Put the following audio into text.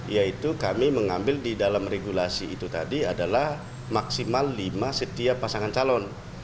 yaitu kami mengambil di dalam regulasi itu tadi adalah maksimal lima setiap pasangan calon